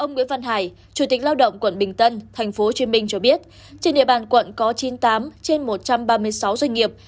nguyễn văn hải chủ tịch lao động quận bình tân tp hcm cho biết trên địa bàn quận có chín mươi tám trên một trăm ba mươi sáu doanh nghiệp